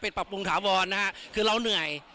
ปรับปรุงถาวรนะฮะคือเราเหนื่อย